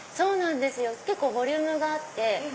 結構ボリュームがあって。